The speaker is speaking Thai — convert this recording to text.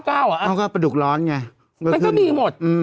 เขาก็พาดุกร้อนมันก็ดีหมด